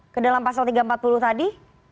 ke dalam pasal tiga ratus empat puluh tadi